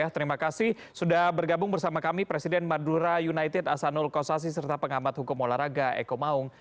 terima kasih sudah bergabung bersama kami presiden madura united asanul kossasi serta pengamat hukum olahraga eko maung